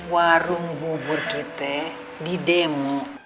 warung bubur kita didemo